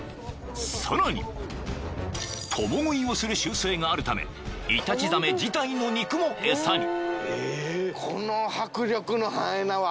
［さらに共食いをする習性があるためイタチザメ自体の肉も餌に］